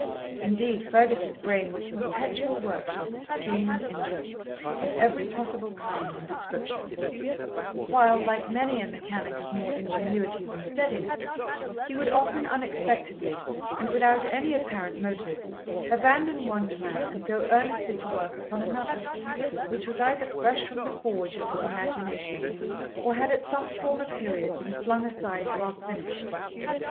Indeed, Fergus's brain was a perpetual workshop of scheme and intrigue, of every possible kind and description; while, like many a mechanic of more ingenuity than steadiness, he would often unexpectedly, and without any apparent motive, abandon one plan and go earnestly to work upon another, which was either fresh from the forge of his imagination or had at some former period been flung aside half finished.